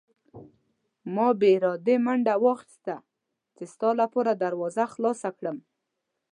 ما بې ارادې منډه واخیسته چې ستا لپاره دروازه خلاصه کړم.